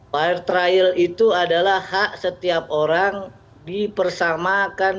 fire trial itu adalah hak setiap orang dipersamakan